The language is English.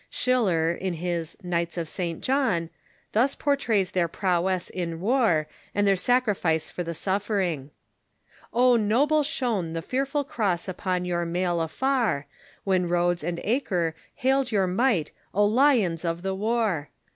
Schiller, in his " Knights of St. John," thus portrays their prowess in war and their sacrifice for the suffering :" Oh, noble shone the fearful Cross upon your mail afar, When Rhodes and Acre hailed your might, O lions of the war